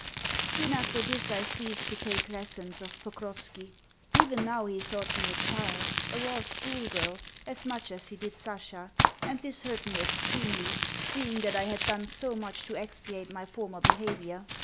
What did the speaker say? Soon after this I ceased to take lessons of Pokrovski. Even now he thought me a child, a raw schoolgirl, as much as he did Sasha; and this hurt me extremely, seeing that I had done so much to expiate my former behaviour.